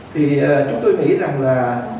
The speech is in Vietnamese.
thì chúng tôi nghĩ rằng là